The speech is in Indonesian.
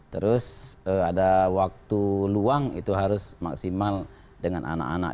terus ada waktu luang itu harus maksimal dengan anak anak